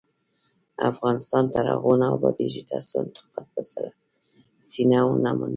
افغانستان تر هغو نه ابادیږي، ترڅو انتقاد په سړه سینه ونه منو.